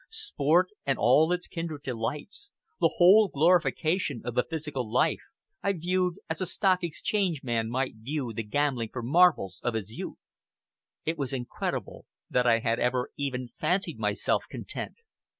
Sport and all its kindred delights the whole glorification of the physical life I viewed as a Stock Exchange man might view the gambling for marbles of his youth. It was incredible that I had ever even fancied myself content.